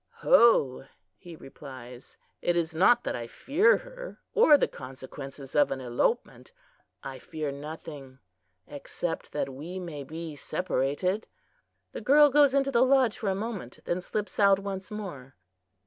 "Ho," he replies. "It is not that I fear her, or the consequences of an elopement. I fear nothing except that we may be separated!" The girl goes into the lodge for a moment, then slips out once more.